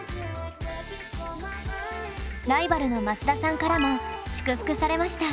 ライバルの増田さんからも祝福されました。